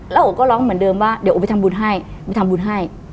แล้วโอก็ร้องเหมือนเดิมว่าเดี๋ยวโอไปทำบุญให้ไปทำบุญให้